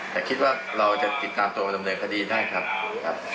แต่คิดว่าเราจะติดตามตัวมาดำเนินคดีได้ครับ